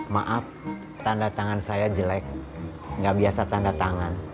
maaf tanda tangan saya jelek nggak biasa tanda tangan